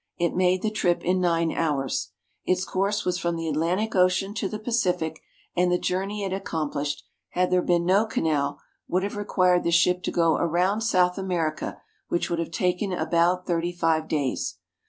It made the trip in nine hours. Its course was from the Atlantic Ocean to the Pacific, and the journey it accom plished, had there been no canal, would have required the ship to go around South America, which would have taken about thirty five days.